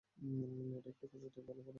নেটে একটু খোঁজো তো ভালো করে!